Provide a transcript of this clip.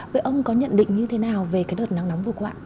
vậy ông có nhận định như thế nào về cái đợt nắng nóng vừa qua